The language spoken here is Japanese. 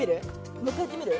もう１回やってみる？